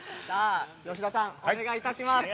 吉田さん、お願いいたします。